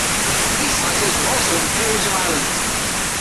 These titles were also in the Peerage of Ireland.